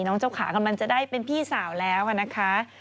น้องเจ้าขากำลังจะได้เป็นพี่สาวแล้วนะคะ